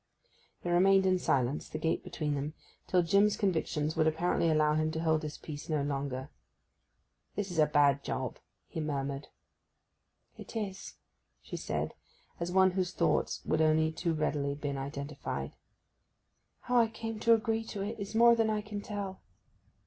They remained in silence, the gate between them, till Jim's convictions would apparently allow him to hold his peace no longer. 'This is a bad job!' he murmured. 'It is,' she said, as one whose thoughts have only too readily been identified. 'How I came to agree to it is more than I can tell!